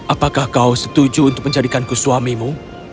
apakah kau setuju untuk menjadikanku suamimu